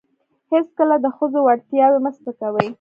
هیڅکله د ښځو وړتیاوې مه سپکوئ.